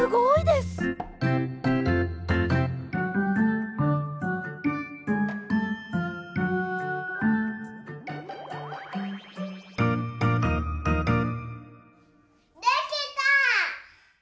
できた！